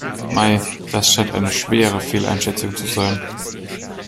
Mei, das scheint eine schwere Fehleinschätzung zu sein.